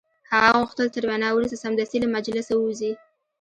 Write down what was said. هغه غوښتل تر وینا وروسته سمدستي له مجلسه ووځي